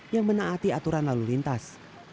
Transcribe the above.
yang menaati aturan lalu lintas